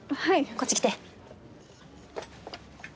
こっち来て。